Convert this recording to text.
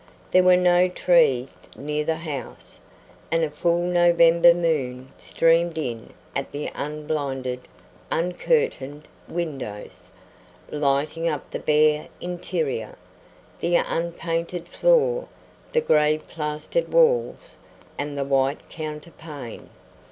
There were no trees near the house, and a full November moon streamed in at the unblinded, uncurtained windows, lighting up the bare interior the unpainted floor, the gray plastered walls, and the white counterpane.